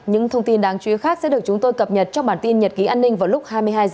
những thông tin đáng chú ý khác sẽ được chúng tôi cập nhật trong bản tin nhật ký an ninh vào lúc hai mươi hai h